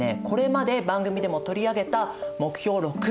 これまで番組でも取り上げた目標